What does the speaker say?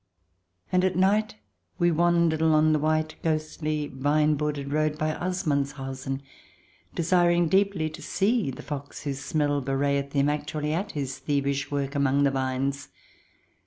And at night we wandered along the white, ghostly, vine bordered road by Assmanshausen, desiring deeply to see the fox, whose smell be wrayeth him, actually at his thievish work among the vines.